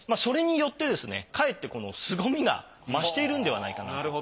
それによってですねかえってこのすごみが増しているんではないかな。